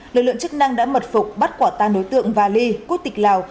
lực lượng chức năng đã mật phục bắt quả tan đối tượng và lê quốc tịch lào